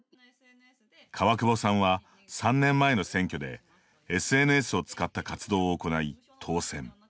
川久保さんは３年前の選挙でＳＮＳを使った活動を行い当選。